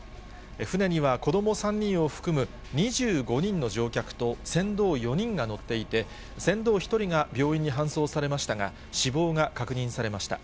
船には子ども３人を含む２５人の乗客と船頭４人が乗っていて、船頭１人が病院に搬送されましたが、死亡が確認されました。